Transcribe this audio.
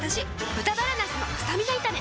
「豚バラなすのスタミナ炒め」